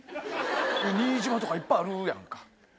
新島とかいっぱいあるやんか。